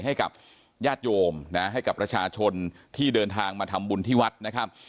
ให้กับญาติโยมนะให้กับประชาชนที่เดินทางมาทำบุญที่วัดนะครับ